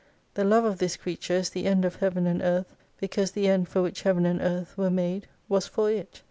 The love of this creature is the end of Heaven and Earth, because the end for which Heaven and Earth were made was for it.